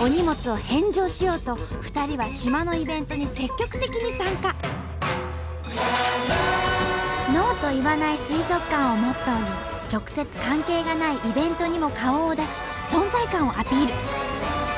お荷物を返上しようと２人は島のイベントに積極的に参加。をモットーに直接関係がないイベントにも顔を出し存在感をアピール。